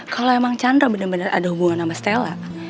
kalau emang chandra bener bener ada hubungan sama stella